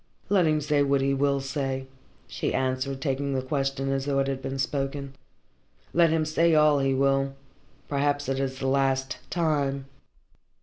"Let him say what he will say," she answered, taking the question as though it had been spoken. "Let him say all he will. Perhaps it is the last time."